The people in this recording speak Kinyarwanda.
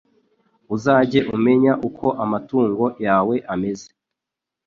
Uzajye umenya uko amatungo yawe ameze